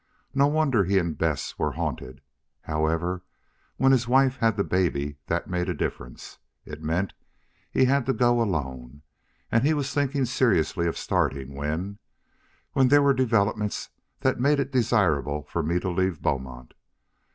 No wonder he and Bess were haunted. However, when his wife had the baby that made a difference. It meant he had to go alone. And he was thinking seriously of starting when when there were developments that made it desirable for me to leave Beaumont.